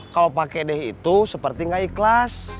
kalau pakai deh itu seperti nggak ikhlas